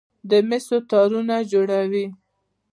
د مسو تارونه جوړوي.